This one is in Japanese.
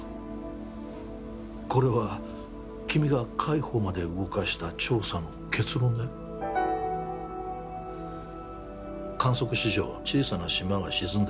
これは君が海保まで動かした調査の結論だよ観測史上小さな島が沈んだ